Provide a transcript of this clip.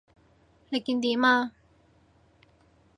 你見點啊？